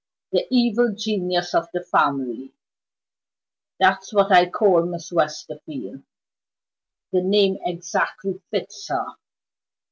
The Evil Genius of the family that's what I call Miss Westerfield. The name exactly fits her!"